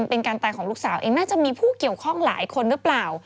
เป็นการตายของลูกสาวเองน่าจะมีผู้เกี่ยวข้องหลายคนหรือเปล่า